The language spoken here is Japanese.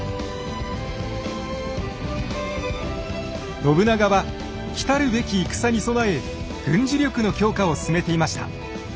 信長は来るべき戦に備え軍事力の強化を進めていました。